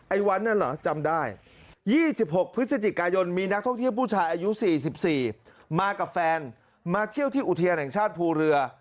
วันนั้นเหรอจำได้๒๖พฤศจิกายนมีนักท่องเที่ยวผู้ชายอายุ๔๔มากับแฟนมาเที่ยวที่อุทยานแห่งชาติภูเรือ